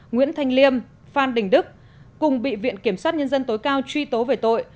nguyễn thanh liêm phan đình đức cùng bị viện kiểm sát nhân dân tối cao truy tố về tội